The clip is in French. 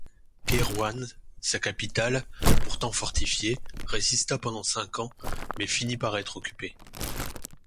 Kairouan, sa capitale, pourtant fortifiée, résista pendant cinq ans, mais finit par être occupée.